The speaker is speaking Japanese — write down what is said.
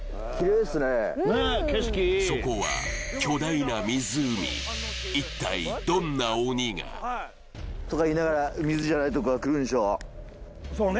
いいそこは巨大な湖一体どんな鬼が？とか言いながら水じゃないとこからくるんでしょそうね